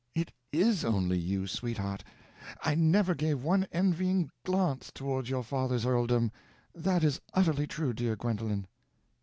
"It is only you, sweetheart, I never gave one envying glance toward your father's earldom. That is utterly true, dear Gwendolen."